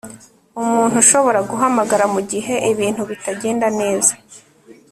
umuntu ushobora guhamagara mugihe ibintu bitagenda neza